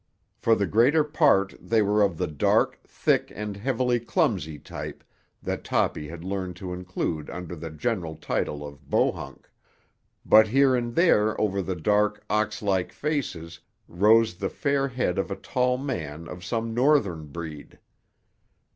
For the greater part they were of the dark, thick and heavily clumsy type that Toppy had learned to include under the general title of Bohunk; but here and there over the dark, ox like faces rose the fair head of a tall man of some Northern breed.